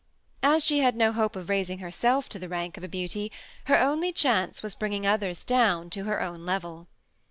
As she had no hope of raising herself to the rank of a beauty, her only chance was bringing others down to her own level.